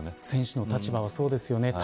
選手の立場は、そうですよね。